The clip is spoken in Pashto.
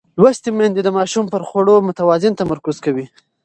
لوستې میندې د ماشوم پر خوړو متوازن تمرکز کوي.